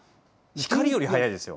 光よりはやいですよ。